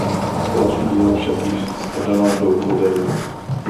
Další díla však již spadala do moderny.